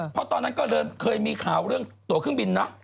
เพราะตอนนั้นก็เคยมีข่าวเรื่องตัวเครื่องบินเนอะ